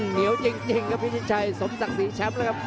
เหนียวจริงครับพิชิตชัยสมศักดิ์ศรีแชมป์แล้วครับ